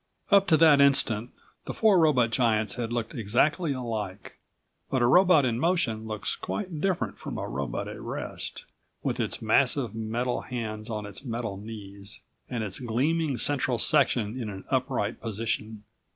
Up to that instant the four robot giants had looked exactly alike. But a robot in motion looks quite different from a robot at rest, with its massive metal hands on its metal knees, and its gleaming central section in an upright position.